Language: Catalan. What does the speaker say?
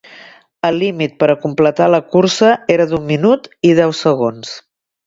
El límit per a completar la cursa era d'un minut i deu segons.